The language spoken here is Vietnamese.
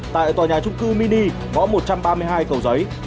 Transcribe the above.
tại tòa nhà trung cư mini ngõ một trăm ba mươi hai cầu giấy